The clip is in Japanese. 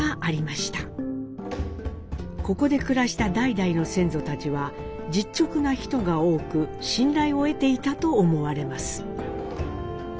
ここで暮らした代々の先祖たちは実直な人が多く信頼を得ていたと思われます。